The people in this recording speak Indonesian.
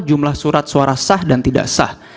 jumlah surat suara sah dan tidak sah